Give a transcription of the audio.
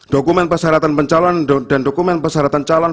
dokumen pasaran pencalon dan dokumen pasaran calon